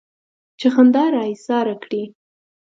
چې خندا را ايساره کړي.